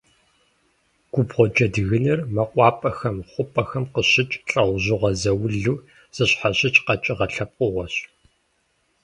Губгъуэ джэдгынр мэкъупӏэхэм, хъупӏэхэм къыщыкӏ, лӏэужьыгъуэ заулу зэщхьэщыкӏ къэкӏыгъэ лъэпкъыгъуэщ.